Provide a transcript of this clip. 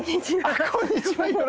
あっこんにちは。